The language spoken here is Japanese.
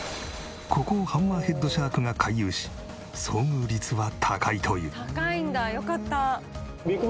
ここをハンマーヘッドシャークが回遊し遭遇率は高いという。